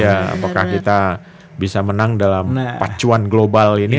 apakah kita bisa menang dalam pacuan global ini